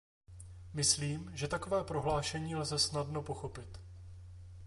Myslím, že takové prohlášení lze snadno pochopit.